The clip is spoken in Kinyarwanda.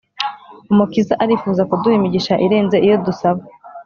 Umukiza arifuza kuduha imigisha irenze iyo dusaba;